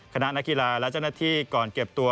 คณะนักกีฬาและเจ้าหน้าที่ก่อนเก็บตัว